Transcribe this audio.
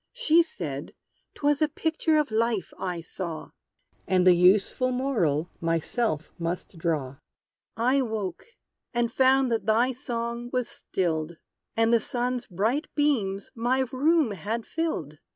She said 'twas a picture of Life, I saw; And the useful moral myself must draw! I woke, and found that thy song was stilled, And the sun's bright beams my room had filled!